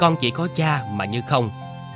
con chỉ có cha mà như không